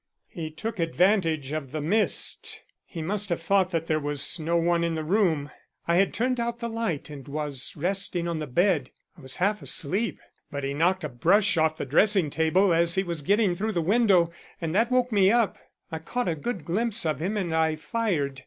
"He took advantage of the mist. He must have thought that there was no one in the room. I had turned out the light and was resting on the bed. I was half asleep, but he knocked a brush off the dressing table as he was getting through the window and that woke me up. I caught a good glimpse of him and I fired.